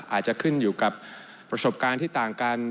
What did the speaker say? อาจจะขึ้นอยู่กับประสบการณ์ที่ต่างกัน